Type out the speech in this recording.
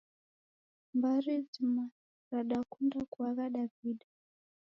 Mbari zima radakunda kuagha Daw'ida.